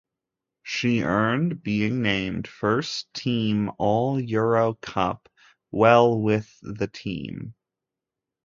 She earned being named first-team All-EuroCup while with the team.